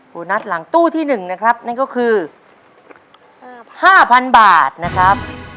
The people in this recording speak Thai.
โบนัสหลังตู้ที่หนึ่งนะครับนั่นก็คือห้าพันบาทนะครับ